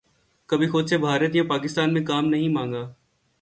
کبھی خود سے بھارت یا پاکستان میں کام نہیں مانگا